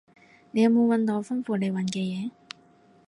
你有冇搵到我吩咐你搵嘅嘢？